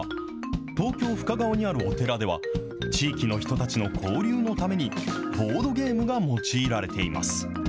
東京・深川にあるお寺では、地域の人たちの交流のためにボードゲームが用いられています。